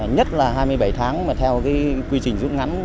nhất là hai mươi bảy tháng mà theo cái quy trình rút ngắn